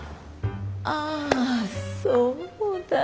あそうだ。